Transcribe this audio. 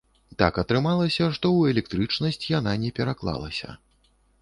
Так атрымалася, што ў электрычнасць яна не пераклалася.